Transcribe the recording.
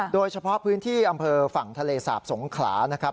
โดยเฉพาะพื้นที่อำเภอฝั่งทะเลสาบสงขลานะครับ